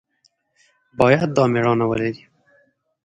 باید دا مېړانه ولري.